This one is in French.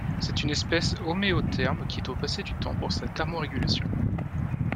C'est une espèce homéotherme qui doit passer du temps pour sa thermorégulation.